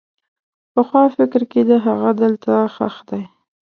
پخوا فکر کېده هغه دلته ښخ دی.